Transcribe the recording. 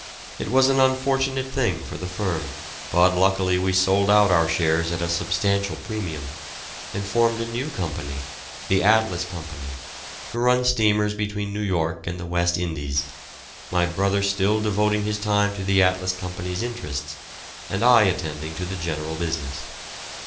It was an unfortunate thing for the firm, but luckily we sold out our shares at a substantial premium, and formed a new company, the Atlas Company, to run steamers between New York and the West Indies, my brother still devoting his time to the Atlas Company's interests, and I attending to the general business.